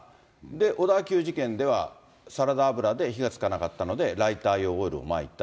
小田急事件では、サラダ油で火がつかなかったので、ライター用オイルをまいた。